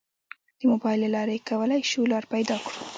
د موبایل له لارې کولی شو لار پیدا کړو.